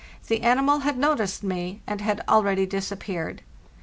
The animal had noticed me, es c=) and had already disappeared.